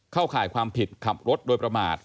ข่ายความผิดขับรถโดยประมาท